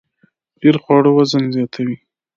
ډیر خواړه وزن زیاتوي